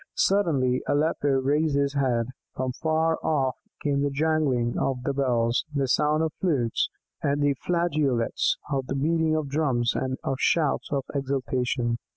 Suddenly Aleppo raised his head; from afar off came the jangling of many bells, the sound of flutes and flageolets, of the beating of drums and of shouts of exultation.